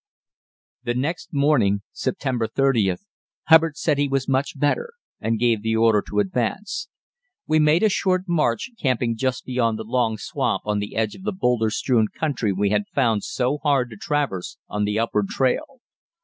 The next morning (September 30th) Hubbard said he was much better, and gave the order to advance. We made a short march, camping just beyond the long swamp on the edge of the boulder strewn country we had found so hard to traverse on the upward trail.